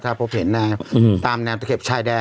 ถ้าพบเห็นตามแนวตะเข็บชายแดน